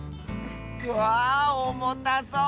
わあおもたそう。